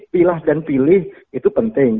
pilah dan pilih itu penting